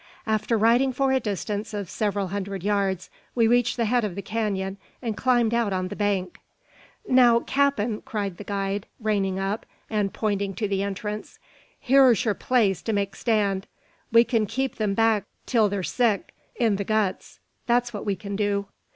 After riding for a distance of several hundred yards, we reached the head of the canon and climbed out on the bank. "Now, cap'n," cried the guide, reining up, and pointing to the entrance, "hyur's yur place to make stand. We kin keep them back till thur sick i' the guts; that's what we kin do."